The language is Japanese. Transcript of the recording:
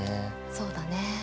そうだね。